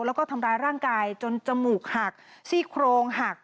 แล้วก็ทำร้ายร่างกายจนจมูกหักซี่โครงหัก